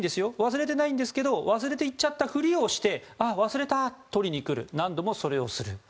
忘れていないんですけど忘れていっちゃったふりをして忘れた、取りに来る何度もそれをする。